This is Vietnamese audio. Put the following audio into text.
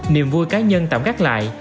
niềm vui cá nhân tạm gác lại